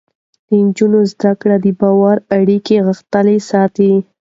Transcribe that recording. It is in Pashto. د نجونو زده کړه د باور اړیکې غښتلې ساتي.